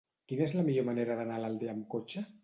Quina és la millor manera d'anar a l'Aldea amb cotxe?